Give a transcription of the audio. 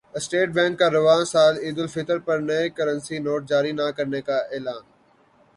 state bank کا رواں سال عیدالفطر پر نئے کرنسی نوٹ جاری نہ کرنے کا اعلان